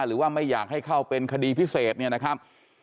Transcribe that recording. หรือว่าไม่อยากให้เข้าเป็นคดีพิเศษเนี่ยนะครับ